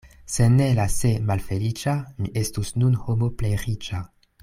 Se ne la "se" malfeliĉa, mi estus nun homo plej riĉa.